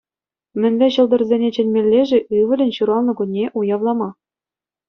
Мӗнле ҫӑлтӑрсене чӗнмелле-ши ывӑлӗн ҫуралнӑ кунне уявлама?